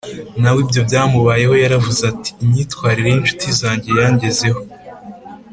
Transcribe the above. na we ibyo byamubayeho Yaravuze ati imyitwarire y incuti zanjye yangezeho